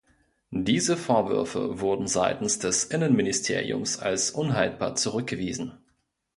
Diese Vorwürfe wurden seitens des Innenministeriums als „unhaltbar“ zurückgewiesen.